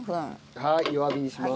はい弱火にします。